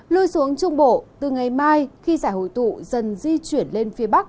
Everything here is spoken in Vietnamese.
lưu xuống trung bộ từ ngày mai khi giải hội tụ dần di chuyển lên phía bắc